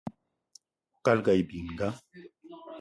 Oukalga aye bininga